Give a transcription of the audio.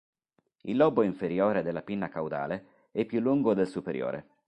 Il lobo inferiore della pinna caudale è più lungo del superiore.